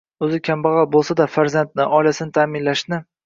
O‘zi kambag‘al bo‘lsa-da, farzandni, oilasini ta’minlashni